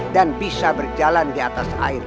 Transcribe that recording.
dan bisa berjalan di atas air